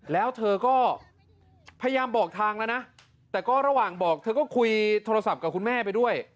แล้วเธอก็พยายามบอกทางแล้วนะแต่ก็ระหว่างบอกเธอก็คุยโทรศัพท์กับคุณแม่ไปด้วย